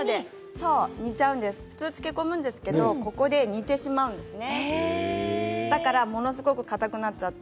普通はつけ込むんですけれどもここで煮てしまうんですね。